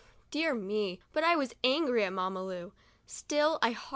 Dear me, but I was angry at Mamma Lu